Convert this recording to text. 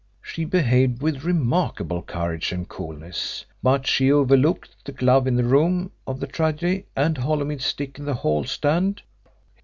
"She behaved with remarkable courage and coolness, but she overlooked the glove in the room of the tragedy, and Holymead's stick in the hall stand.